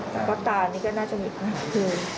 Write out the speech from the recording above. แล้วก็ตานี่ก็น่าจะมีความผิด